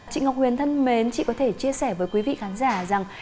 chị ngọc huyền thân mến chị có thể chia sẻ với quý vị khán giả rằng